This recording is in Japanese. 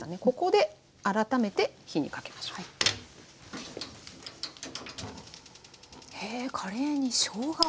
ここで改めて火にかけましょう。